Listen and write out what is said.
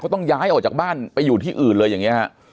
ต้องย้ายออกจากบ้านไปอยู่ที่อื่นเลยอย่างนี้ฮะ